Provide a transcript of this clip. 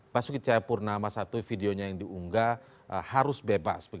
basuki cahaya purnama satu videonya yang diunggah harus bebas